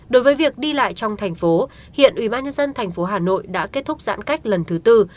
đối với việc đi lại trong thành phố hiện ủy ban nhân dân thành phố hà nội đã kết thúc giãn cách lần thứ tư